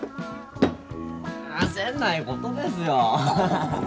焦んないことですよ。